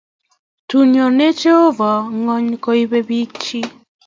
Tun nyonei Jehovah ngony koib biik chiik